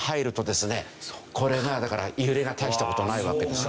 これがだから揺れが大した事ないわけですよ。